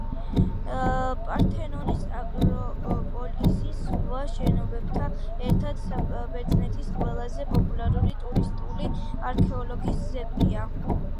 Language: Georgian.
პართენონი, აკროპოლისის სხვა შენობებთან ერთად საბერძნეთის ყველაზე პოპულარული ტურისტული არქეოლოგიური ძეგლია.